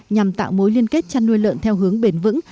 nhằm tạo mối liên kết chăn nuôi lợn theo hướng bền vững